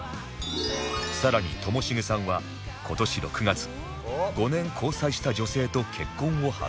更にともしげさんは今年６月５年交際した女性と結婚を発表